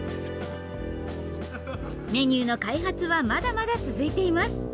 メニューの開発はまだまだ続いています。